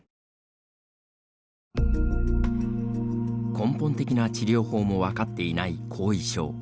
根本的な治療法も分かっていない後遺症。